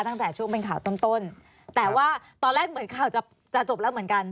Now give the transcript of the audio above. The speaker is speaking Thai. ตั้งแต่ช่วงเป็นข่าวต้นต้นแต่ว่าตอนแรกเหมือนข่าวจะจะจบแล้วเหมือนกัน